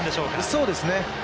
そうですね。